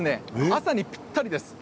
朝にぴったりです。